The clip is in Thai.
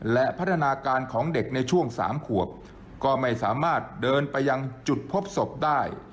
และพัฒนาการของเด็กในช่วง๓ขวบก็ไม่สามารถเดินไปยังจุดพบศพได้